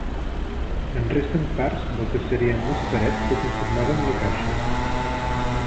En resten parts del que serien les parets que conformaven la caixa.